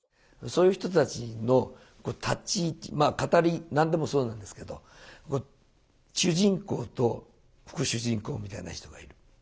まあ語り何でもそうなんですけど主人公と副主人公みたいな人がいる。